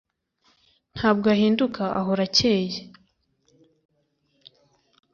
ntabwo ahinduka ahora acyeye